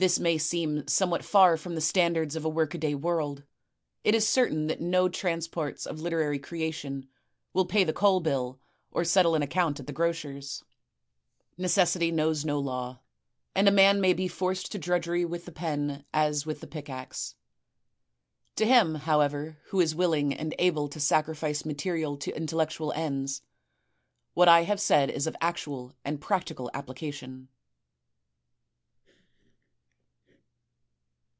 "This may seem somewhat far from the standards of a workaday world. It is certain that no transports of literary creation will pay the coal bill or settle an accoimt at the grocer's. Necessity knows no law, and a man may be forced to drudgery with the pen as with the pickaxe. To him, however, who is willing and able to sacrifice material to intellectual ends, what I have said is of actual and practical application."